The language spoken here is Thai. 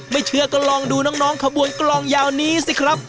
ไม่เชื่อก็ลองดูน้องขบวนกลองยาวนี้สิครับ